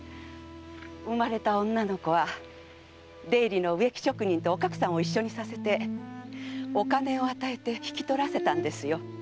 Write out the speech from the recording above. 生まれた女の子は出入りの植木職人とおかくさんを一緒にさせてお金を与えて引き取らせたんですよ。